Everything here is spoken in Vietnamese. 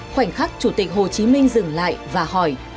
khoảnh khắc chủ tịch hồ chí minh dừng lại và hỏi